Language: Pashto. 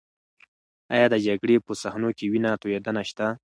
ایا د جګړې په صحنو کې وینه تویدنه شته؟